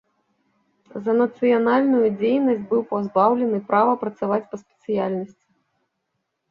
За нацыянальную дзейнасць быў пазбаўлены права працаваць па спецыяльнасці.